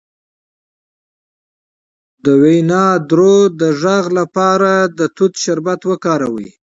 د وینادرو د غږ لپاره د توت شربت وکاروئ